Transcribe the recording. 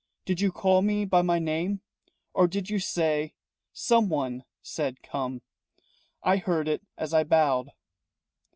Did you call me by my name? Or did you say Someone said 'Come' I heard it as I bowed."